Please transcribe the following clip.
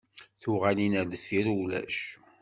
Tuɣalin ar deffir ulac.